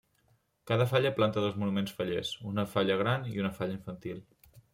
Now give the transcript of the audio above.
Cada falla planta dos monuments fallers, una falla gran i una falla infantil.